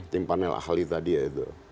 tim panel ahli tadi ya itu